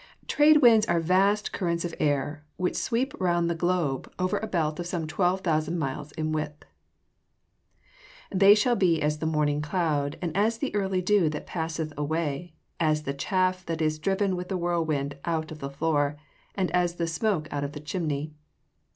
_ Trade winds are vast currents of air, which sweep round the globe over a belt of some 12,000 miles in width. [Verse: "They shall be as the morning cloud, and as the early dew that passeth away, as the chaff that is driven with the whirlwind out of the floor, and as the smoke out of the chimney."